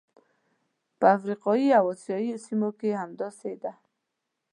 په افریقایي او اسیايي سیمو کې همداسې ده.